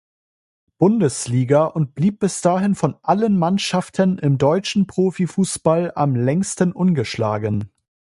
Bundesliga und blieb bis dahin von allen Mannschaften im deutschen Profifußball am längsten ungeschlagen.